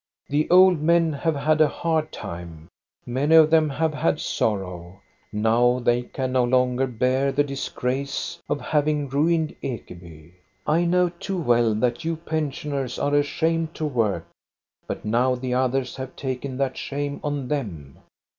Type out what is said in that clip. The old men have had a hard time. Many of them have had sorrow. Now they can no longer bear the disgrace of having ruined Ekeby. I know too well that you pensioners are ashamed to work ; but now the others have taken that shame on them.